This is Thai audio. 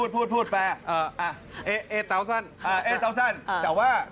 พูดแปล